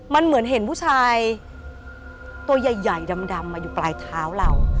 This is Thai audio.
มันเหมือนเห็นผู้ชายตัวใหญ่ดำมาอยู่ปลายเท้าเรา